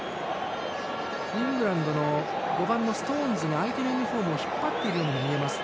イングランドのストーンズが相手のユニフォームを引っ張っているように見えます。